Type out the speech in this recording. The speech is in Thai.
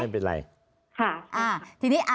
ไม่เป็นไร